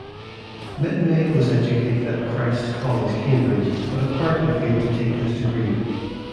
Mildmay was educated at Christ's College, Cambridge, but apparently failed to take his degree.